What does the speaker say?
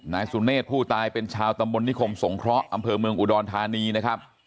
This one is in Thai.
นายสุเนธผู้ตายเป็นชาวตำบลนิคมสงเคราะห์อำเภอเมืองอุดรธานีนะครับ